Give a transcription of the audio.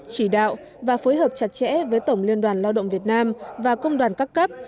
chỉ đạo và phối hợp chặt chẽ với tổng liên đoàn lao động việt nam và công đoàn các cấp